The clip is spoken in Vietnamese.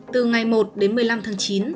từ ngày một đến một mươi năm tháng chín